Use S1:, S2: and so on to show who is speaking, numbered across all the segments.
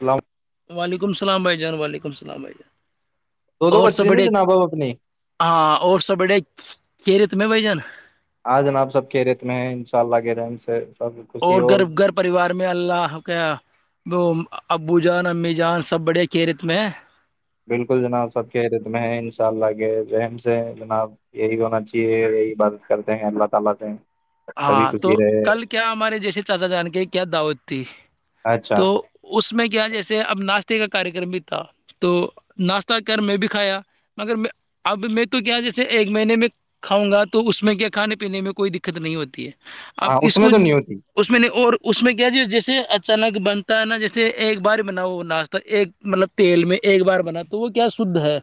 S1: اللام [unintelligible]
S2: وعلیکم لسلام بھائی جان وعلیکم لسلام بھائی جان
S1: دو دو
S2: اور
S1: بچ
S2: سب
S1: رہی نا
S2: بڑے
S1: جناب اب اپنی
S2: آ اور سب بڑے کہ ریت میں بھائی جان
S1: ہاں جناب سب خیریت میں ہیں انشاءاللہ کے رحم سے سب خوشی
S2: اور گھرب گھر پریوار میں اللہ کیا وہ ابو جان امی جان سب بڑے کییرت میں ہیں
S1: بلکل جناب سب خیریت میں انشاءاللہ اگے ذہن سے جناب یہی ہونا چاہیے عبادت کرتے ہیں اللہ تعالی سے سبھی
S2: ہاں
S1: خوشی
S2: تو
S1: رہے
S2: کل کیا ہمارے جیسے چاچا جان کے کیا دعوت تھی
S1: اچھا
S2: تو اس میں کیا جیسے اب ناشتے کار کررم بھی تھا تو ناشہ کر میں بھی کھایا مگر اب میں تو کیا جیسے ایک مہینے میں خواہ گا تو اس میں کیا کھانے پینے میں کوئی د قت نہیں ہوتی ہے اب
S1: ہاں
S2: اس کو
S1: میں تو نہیں ہوتی
S2: اس میں نہیں اور اس میں کیا جیے جیسے ا چنک بنتا ہے نا جیسے ایک بار بنا ہو وہ ناشتہ ایک مطلب تیل میں ایک بار بنا تو وہ کیا شدھ ہے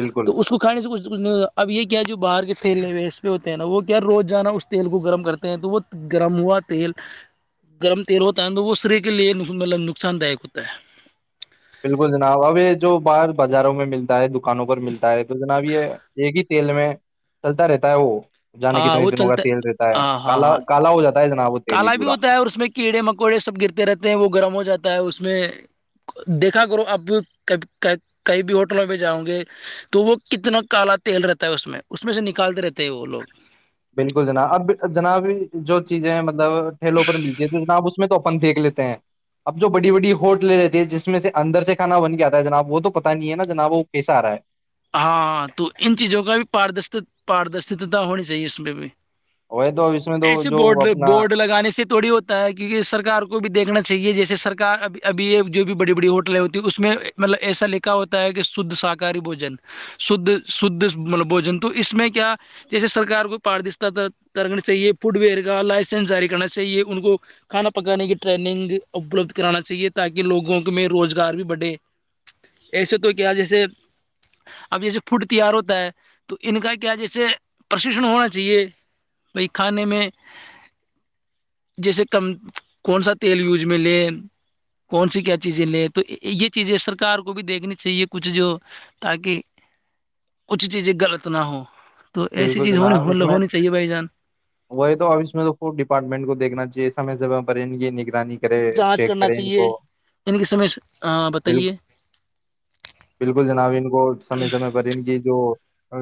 S1: بالکل
S2: تو اس کو کھانے سے کچھ کچھ اب یہ کیا جو باہر کے پھیلے ہوئے اس پہ ہوتے نا وہ کیا روز جانا اس تیل کو گرم کرتے ہیں تو وہ گرم ہوا تیل گرم تیل ہوتا ہے تو وہ شریع کے لیے نقصان داک ہوتا ہے
S1: بلکل جناب اب یہ جو باہر بازاروں میں ملتا ہے دکانوں پر ملتا ہے تو جناب یہ ایک ہی تیل میں چلتا رہتا ہے وہ جانے
S2: ہاں
S1: کتنے
S2: وہ
S1: دنوں کا
S2: چلتا
S1: تیل رہتا ہے
S2: ہاں ہاں
S1: کالا
S2: ہاں
S1: کالا ہو جاتا ہے جناب وہ تیل ہی
S2: کالا بھی
S1: پورا
S2: ہوتا ہے اور اس میں کیڑے مکوڑے سب گرتے رہتے ہیں وہ گرم ہو جاتا ہے اس اس میں دیکھا کرو ابب کیں بھی ہوٹلوں میں جاؤں گے تو وہ کتنا کالا تیل رہتا ہے اس میں اس میں سے نکالتے رہتے ہیں وہ لوگ
S1: بالکل جناب اب جناب جو چیزیں ہیں مطلب ٹھیلوں پر ملتی ہے تو جناب اس میں تو اپن پھینک لیتے ہیں اب جو بڑی بڑی ہوٹ لے لیتی ہے جس میں سے اندر سے کھانا بن کے آتا ہے جناب وہ تو پتا نہیں ہے نا جناب وہ کیسا آ رہا ہے
S2: ہاں تو ان چیزوں کا بھی پارد پاردرشتاتا ہونی چاہیے اس میں بھی
S1: وہی تو اب اس میں تو جو اپنا
S2: توڑی ہوتا ہے کیونکہ سرکار کو بھی دیکھنا چاہیے جیسے سرکار اب ابھی یہ جو بھی بڑی بڑی ہوٹلیں ہوتی ہیں اس میں مطلب ایسا لکھا ہوتا ہے کہ شدھ شاکاہاری بوجن ش شھ مطلب بوجن تو اس میں کیا جیسے سرک کو پاردشتا کرنی چاہیے فڈ ویئر کا لائسنس جاری کرنا چاہیے ان کو کھانا پکانے کی ٹرینگ اپلبد کرانا چاہیے تاکہ لوگوں میں روزگار بھی بڑھے ایسے تو کیا جیسے اب جیسے فوڈ تیار ہوتا ہے تو ان کا کیا جیسے پرشکشن ہونا چاہیے بائی کھانے میں جیسے کم کون سا تیل یوز میں لے کون سی کیا چیزیں لے تو یہ چیزیں سرکار کو بھی دیکھنی چاہیے کچھ جو تاکہ کچھ چیزیں غلط نہ ہووں
S1: بالکل جناب اس میں وہی تو آفس میں تو خ ڈپارٹمنٹ کو دیکھنا چاہیے اس س زبرین گ نک کرے
S2: جانچ
S1: چیک
S2: کرنا
S1: کرے ان
S2: چاہیے
S1: کو
S2: ان کی سمے سے۔ ہاں
S1: ب
S2: بتائیے
S1: بالکل جناب ان کو سمے سمے پر ان کی جو ا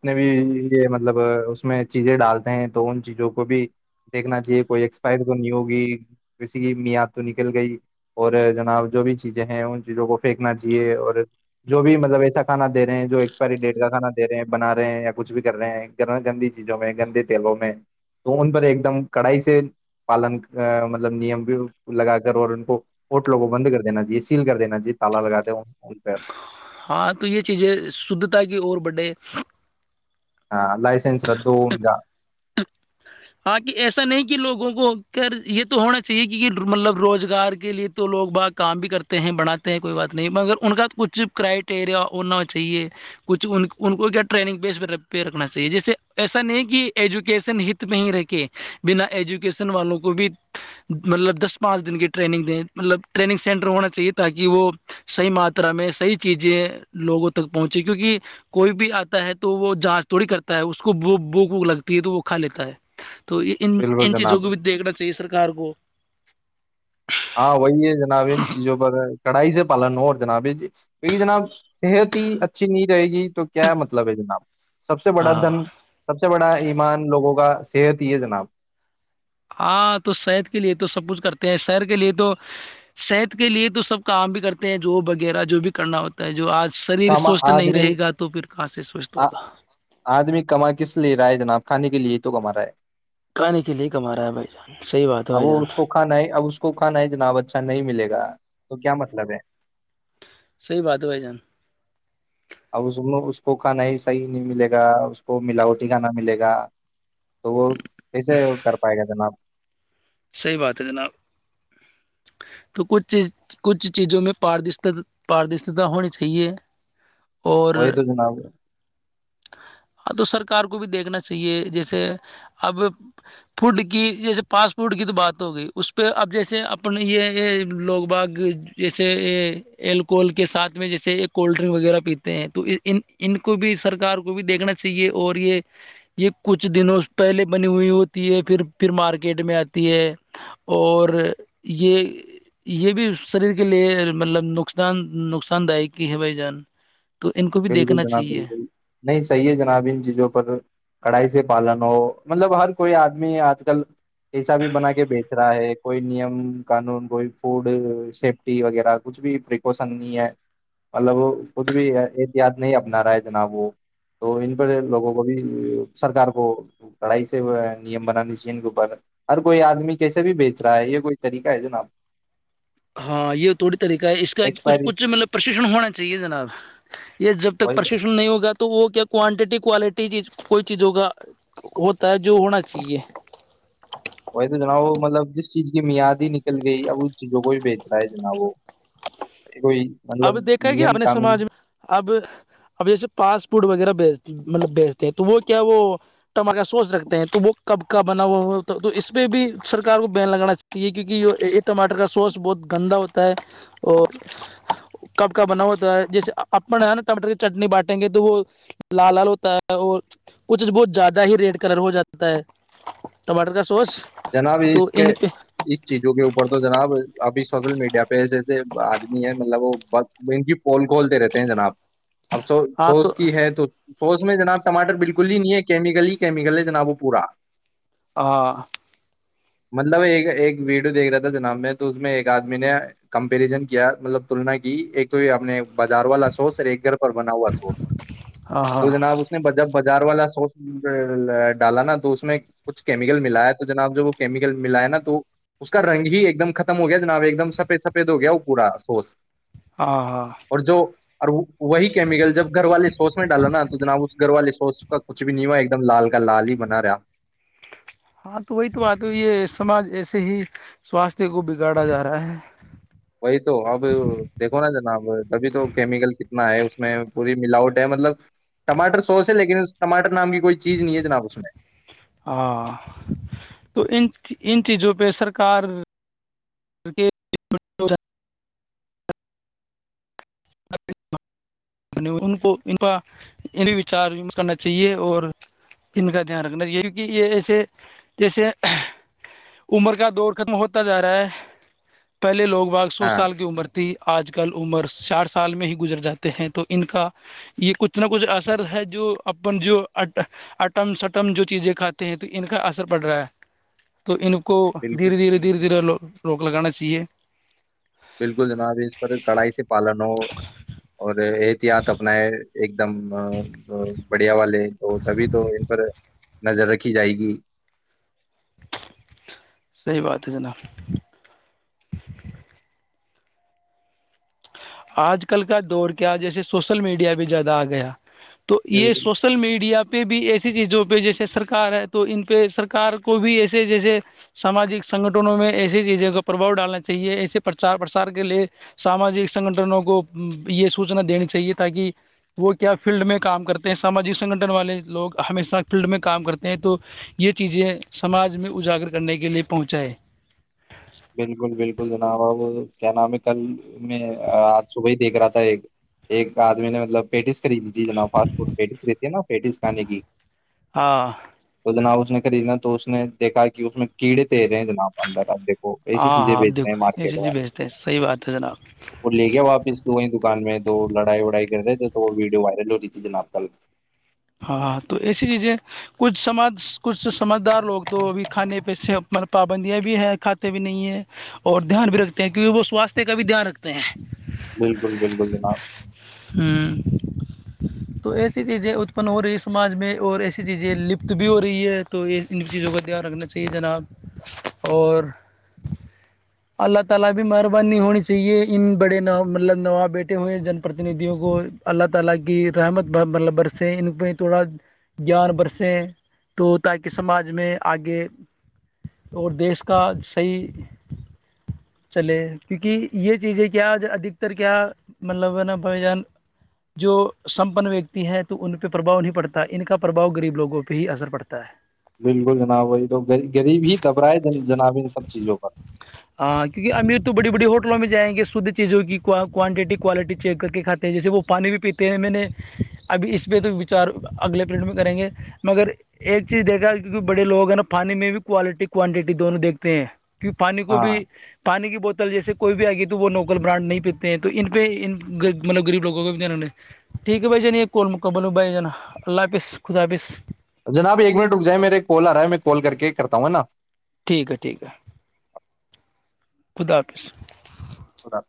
S1: جنے بھی یہ مطلب اس میں چیزیں ڈالتے ہیں تو ان چیزوں کو بھی دیکھنا چاہیے کوئی ایکسپائر تو نہیں ہوگی کسی کی مییاد تو نکل گئی اور جناب جو بھی چیزیں ہیں ان چیزوں کو پھینکنا چاہیے اور جو بھی مطلب ایسا کھانا دے رہے ہیں جو ایکسپائری ڈیٹ کا کھانا دے رہے بن ہیں یا کچھ بھی کر رہے ہیں گندی چیزوں میں گندے تیلوں میں تو ان پر ایک دم کڑائی سے پالن مطلب نیم بھی لگا کر اور ان کو ہوٹلوں کو بند کر دینا چاہیے سیل کر دینا چاہیے تالا لگا د ہ ان پ
S2: ہاں تو یہ چیزیں شھتا کی اور بڈے
S1: ہاں لائسنس ب دو انا
S2: ہاں ایسا نہیں کہ لوگوں کو کر یہ تو ہونا چاہیے کہ مطلب روزگار کے لیے تو لوگ ب کام بھی کرتے ہیں بناتے ہیں کوئی بات نہیں مگر ان کا کچھ کرائٹیریا ہونا چاہیے کچھ ان کو کیا ٹرینگ پس رکھنا چاہیے جیسے ایسا نہیں کہ ایجوکیشن میںہ ہی رہ کے بنا ایجوکیشن والوں کو بھی مطلب دس پانچ دن کی ٹریننگ دیں مطلب ٹریننگ سینٹر ہونا چاہیے تاکہ وہ صحیح ماترا میں صحیح چیزیں لوگوں تک پہنچے کیونکہ کوئی بھی آتا ہے تو وہ جانچ تھوڑی کرتا ہے اس کو ب بوک ووک لگتی ہے تو وہ کھا لیتا ہے تو یہ ان
S1: بالکل
S2: ان چیزوں
S1: جناب
S2: کو بھی دیکھنا چاہیے سرکار کو
S1: ہاں وہی ہے جناب ان چیزوں پر ہے کڑھائی سے پالن ہو اور جناب یہ جی کیونکہ جناب صحت ہی اچھی نہیں رہے گی تو کیا مطلب ہے جناب سب سے بڑا
S2: ہاں
S1: دھن سب سے بڑا ایمان لوگوں کا صحت یہ جناب
S2: ہاں تو صحت کے لیے تو سب کچھ کرتے ہیں شہر کے لیے تو صحت کے لیے تو سب کام بھی کرتے ہیں جو وغیرہ جو بھی کرنا ہوتا ہے جو آج شریر
S1: کاما
S2: سوستھ نہیں
S1: آدمی
S2: رہے گا تو پھر کہاں سے سوستھ
S1: آ-
S2: ہوگا
S1: آدمی کما کس لیے رہا ہے جناب کانے کے لیے تو کما رہا ہے
S2: کھانے کے لیے کما رہا ہے بھائی جان صحیح بات ہے
S1: اب
S2: بھائی
S1: وہ
S2: جان
S1: اس کو کھانا ہے اب اس کو کھانا ہے جنا اب اچھا نہیں ملے گا تو کیا مطلب ہے
S2: سی بات بائی جان
S1: ا اس اس کو کھانا ہی صحیح نہیں ملے گا اس کو ملاوٹی کھانا ملے گا تو وہ کیسے کر پائے گا جناب
S2: صحیح بات ہے جناب تو کچھ چیز کچھ چیزوں میں پ پاردشتا ہونی چاہیے
S1: ا
S2: اور
S1: تو جناب
S2: ہ تو سرکار کو بھی دیکھنا چاہیے جیسے اب فوڈ کی جیسے پاس فٹوٹ کی تو بات ہوگئی اس پہ اب جیسے اپنے یہ لوگ باغ جیسے اللکہل کے ساتھ میں جیسے کولڈ ڈرنک وغیرہ پیتے ہیں تو ان ان کو بھی سرکار کو بھی دیکھنا چاہیے اور یہ یہ کچھ دنوں پہلے بنی ہوئی ہوتی ہے پھر پھر مارکیٹ میں آ ہے اور یہ یہ بھی شریر کے لیے مطلب نقصان نقصان دائ ہے بھائی جان تو ان کو بھی
S1: بالکل
S2: دیکھنا
S1: جناب
S2: چاہیے
S1: بالکل نہیں صحیح ہے جناب ان چیزوں پر کڑھائی سے پالن ہو مطلب ہر کوئی آدمی آج کل پیسہ بھی بنا کے بیچ رہا ہے کوئی نیم قانون کوئی فوڈ سیفٹی وغیرہ کچھ بھی پریکوشن نہیں ہے مطلب کچھ بھی یاد نہیں اپنا رہا ہے جناب وہ تو ان پر لوگوں کو بھی سرکار کو لڑائی سے نیم بنانے چاہیے ان کے اوپر ہر کوئی آدمی کیسے بھی بیچ رہا ہے یہ کوئی طریقہ ہے جناب
S2: ہاں یہ تھوڑی طریقہ ہے اس کا کچھ
S1: ایکسپائری
S2: کچھ مطلب پرشکشن ہونا چاہیے جناب یہ جب تک
S1: وہی
S2: پرشکشن نہیں ہوگا تو تو وہ کیا کوانٹیٹی کوالٹی چی کوئی چیزوں کا ہوتا ہے جو ہونا چاہیے
S1: وہی تو جناب وہ مطلب جس چیز کی میاد ہی نکل گئی اب اس چیزوں کو بھی بچ رہا ہے جناب وہ کوئی مطلب
S2: اب دیکھا گ
S1: نیم
S2: اپنے
S1: قانون
S2: سماج میں اب اب جیسے پاسپورٹ وغیرہ بھیجتے مطلب بیچتے ہیں تو وہ کیا وہ ٹماٹر کا سوس رکھتے ہیں تو وہ کب کا بنا ہوا ہوا ہوتا تو اس پہ بھی سرکار کو بین لگانا چاہیے کیونکہ یہ یہ ٹماٹر کا سوس بہت گندا ہوتا ہے اور کب کاب بنا ہوتا ہے جیسے اپن ہے نا ٹماٹر کی چٹنی بانٹیں گے تو وہ لا لال ہوتا ہے اور کچھ بہت زیادہ ہی ریڈ کلر ہو جاتا ہے ٹماٹر کا سوس
S1: جناب
S2: تو
S1: اس کے
S2: ان
S1: اس چیزوں کے اوپر تو جناب اب سوشل میڈیا پیسےس آدمی ہے مطلب وہ بہت بنکی پول کھولتے رہتے ہیں جناب اب سو
S2: ہاں تو
S1: سوچ کی ہے تو سو اس میں جناب ٹماٹر بالکل ہی نہیں ہے کیمیکل ہی کیمیکل ہے جناب وہ پورا
S2: ہ
S1: مطلب ایک ایک ویڈیو دیکھ رہا تھا جناب میں تو اس میں ایک آدمی نے کمپریزن کیا مطلب تلنا کی ایک تو اپ نے بازار والا سوس اور ایک گھر پر بنا ہوا سوس
S2: ہاں ہاں
S1: تو جناب اس نے بار والا سوس ڈالا نا تو اس میں کچھ کیمیکل ملایا جناب جب وہ کیمیکل ملا ہے نا تو اس کا رنگ ہی ایک دم ختم ہو گیا جناب ایک دم سفید سفید ہو گیا وہ پورا سوس
S2: ہاں ہاں
S1: اور جو وہی کیمیکل جب گھر والے سوس میں ڈالو نا تو جناب اس گھر والے تو اس کا کچھ بھی نہیں ہوا ایک دم لال کا لال ہی بنا رہا
S2: ہاں تو وہی تو بات ہے یہ سماج ایسے ہی سواستھ کو بگاڑا جا رہا ہے
S1: وہی تو اب دیکھو نا ج نا ا ابھی تو کیمیکل کتنا ہے اس میں پوری ملاوٹ ہے مطلب ٹماٹر سوس ہے لیکن اس ٹماٹر نام کی کوئی چیز نہیں ہے جناب اس میں
S2: ہاں تو ان ان چیزوں پہ سرکار بکہ کوچار کرنا چاہیے اور ان کا دھیان رکھنا چاہیے کیونکہ یہ ایسے جیسے عمر کا دور ختم ہوتا جا رہا ہے پہلے لوگوں ب سو
S1: ہاں
S2: سال کی عمر تھی آج کل عمر چاٹ س سال میں ہی گزر جاتے ہیں تو ان کا یہ کچھ نہ کچھ اثر ہے جو اپن جو اٹم سٹم جو چیزیں کھاتے ہیں تو ان کا اثر پڑ رہا ہے تو ان کو
S1: بالکل
S2: دھیرے دھیرے دھیرے دھیرے لو روک لگانا چاہیے
S1: بالکل جناب اس پر کڑھائی سے پالن ہو اور ایک احتیاط اپنائے ایک دم بڑھیا والے تو تبھی تو ان پر نظر رکھی جائے گی
S2: یہ باتتے جناا آج کل کا دور کیا جیسے سوشل میڈیا بھی زیادہ آ گیا تو یہ
S1: بالکل
S2: سوشل میڈیا پہ بھی ایسے چیزوں پہ جیسے سرار ہے تو ان پہ سرار کو بھی ایسے جیسے ساماجک سنگٹھنوں میں ایسے چیزوں کا پرباؤ ڈالنا چاہیے ایسے پرچار پرسار کے لیے ساماجک سنگٹھنوں کو یہ سوچنا دینی چاہیے تاکہ وہ کیا فیلڈ میں کام کرتے ہیں ساماجک سنگٹھن والے لوگ ہمیشہ فیلڈ میں کام کرتے ہیں تو یہ چیزیں سماج میں اجاگر کرنے کے لیے پہنچائے
S1: بالکل بالکل جناب آ کیا نام ہے کل میں آج صبح ہی دیکھ رہا تھا ایک آدمی نے مطلب پیٹیس خریدتی ج فسٹ فڈ پس لیتی ہے نا پیس کھے کی
S2: ہاں
S1: تو جنا نے خریدنا تو اس نے دیکھا کہ اس میں کیڑے تییر ہیں جناب اندر آپ دیکھ وہ ایسی
S2: ہاں
S1: چیزیں
S2: ہاں آپ
S1: بیچتے ہیں
S2: دیکھو ایسی
S1: مارکیٹ
S2: چیز
S1: میں
S2: بھیجتے ہیں صحیح بات ہے جناب
S1: وہ لے گیا واپس تو وہیں دکان میں تو لڑائی وڑائی کر رہے تھے تو وہ ویڈیو وائرل ہو رہی تھی جناب کل
S2: ہاں تو ایسی چیزیں کچھ سمج کچھ سمجھدار لوگ تو اب کھانے پہ سے ملب پابندیاں بھی ہے کھاتے بھی نہیں ہے اور دھیان بھی رکھتے ہیں کیونکہ وہ سوستھ کا بھی دھیان رکھتے ہیں
S1: بالکل بالکل جناب
S2: تو ایسی چیزیں ات ن ہو رہی ہے سماج میں اور ایسی چیزیں لپت بھی ہو رہی ہے تو یہ ان چیزوں کا دھیان رکھنا چاہیے جناب اور اللہ تعالی بھی مہربانی ہونی چاہیے ان بڑے مطلب نواب بیٹھے ہوئے ہیں جن پردنیدیوں کو اللہ تعالی کی رحمت اللہبر سے ان پہ تھوڑا جا برسے تو تاکہ سماج میں اگے اور دیس کا صحیح چلے کیونکہ یہ چیز ہے کہ آج ادھتر کیا مطلب نا بھائی جان جو سمپن ویکتی ہے تو ان پہ پربھؤ نہیں پڑتا ان کا پربھؤ غریب لوگوں پہ ہی اثر پڑتا ہے
S1: بالکل جناب وہی تو غریب ہی دھبرائے ج
S2: ہاں کیونکہ امیر تو بڑی بڑی ہوٹ ہوٹلوں میں جائیں گے شدھ چیزوں کی کو کوانٹیٹی کوالٹی چیک کر کے کھاتے ہیں جیسے وہ پانی بھی پیتے ہیں میں نے ابھی اس پہ تو وچار اگلے پلیٹ میں کریں گے مگر ایک چیز دیکھا کیونکہ بڑے لوگ ہیں نا پانی میں بھی کوالٹی کوانٹیٹی دونوں دیکھ پین کی پانی کو
S1: ہاں
S2: بھی پانی کی بہت ل جیسے کوئی بھی آئے گی تو وہ نوکل برانڈ نہیں پیتے ہیں تو ان پہ ان مطلب غریب لوگوں کو بھیے ٹھیک ہے بھائی جان یہ کول مکمل ہوں بھائی جناا اللہ حافظ خداظ
S1: جناب ایک منٹ رک جائے میرے ایک کال آ رہا ہے میں کال کر کے کرتا ہوں ہے نا
S2: ٹھیک ہے ٹھیک ہے خدا حافظ
S1: خد